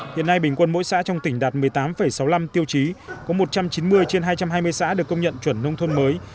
hiện nay bình quân mỗi xã trong tỉnh đạt một mươi tám sáu mươi năm tiêu chí có một trăm chín mươi trên hai trăm hai mươi xã được công nhận chuẩn nông thôn mới